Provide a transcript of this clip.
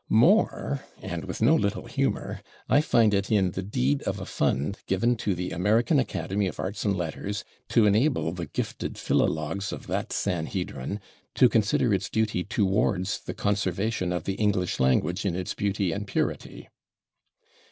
More (and with no little humor), I find it in the deed of a fund given to the American Academy of Arts and Letters to enable the gifted philologs of that sanhedrin "to consider its duty /towards/ the conservation of the English language in its beauty and purity."